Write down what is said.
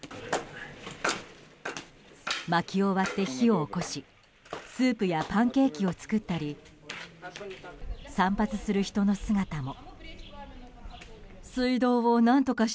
まきを割って火を起こしスープやパンケーキを作ったり散髪する人の姿も。